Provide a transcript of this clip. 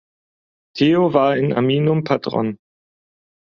Theo war in Ariminum Patron.